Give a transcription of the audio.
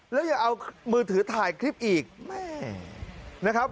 แล้วอย่าเอามือถือถ่ายคลิปอีกแม่นะครับ